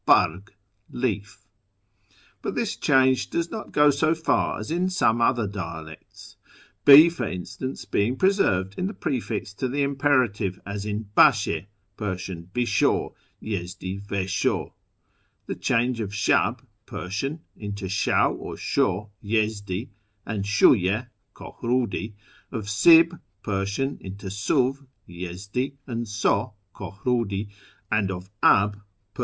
barg, leaf) ; but this change does not go so far as in some other dialects, B for instance, being preserved in the prefix to the imperative, as in Bdshe (Pers. bi shaiv, Yezdi, ve sho). The change of Shab (Pers.) into Shaw or Sho (Yezdi) and Shiiye (Kohriidi ); of Sib (Pers.) into Sfiv (Yezdi) and So (Kohrudi) ; and of Ab (Pers.)